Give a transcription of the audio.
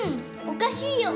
おかしいよ。